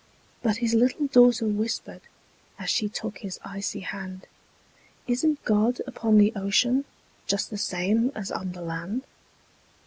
But his little daughter whispered, As she took his icy hand, "Isn't God upon the ocean, Just the same as on the land?"